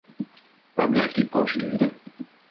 Waar blijft die procedure?